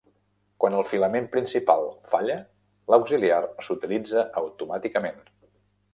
Quan el filament principal falla, l'auxiliar s'utilitza automàticament.